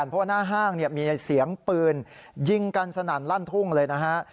เพราะว่าหน้าห้างมีเสียงปืนยิงกันสนั่นลั่นทุ่งเลยนะฮะ